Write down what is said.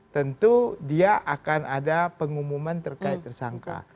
tentu dia akan ada pengumuman terkait tersangka